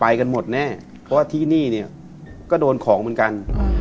กันหมดแน่เพราะว่าที่นี่เนี่ยก็โดนของเหมือนกัน